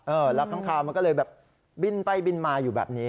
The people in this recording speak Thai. เออรับทั้งคราวมันก็เลยแบบบินไปบินมาอยู่แบบนี้